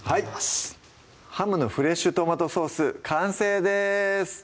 はい「ハムのフレッシュ・トマトソース」完成です